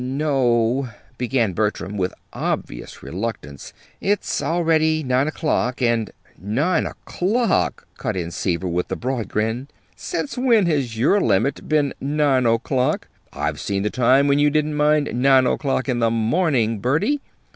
"No o," began Bertram, with obvious reluctance. "It's already nine o'clock, and " "Nine o'clock!" cut in Seaver, with a broad grin. "Since when has your limit been nine o'clock? I've seen the time when you didn't mind nine o'clock in the morning, Bertie!